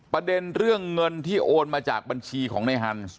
ประเด็นเรื่องเงินที่โอนมาจากบัญชีของในฮันส์